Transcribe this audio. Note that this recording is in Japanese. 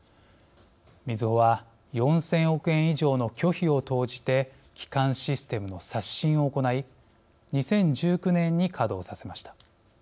みずほは４０００億円以上の巨費を投じて基幹システムの刷新を行い２０１９年に稼働させました。